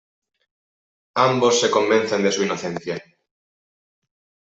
Ambos se convencen de su inocencia.